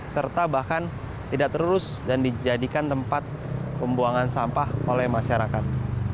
serta bahkan tidak terus dan dijadikan tempat pembuangan sampah oleh masyarakat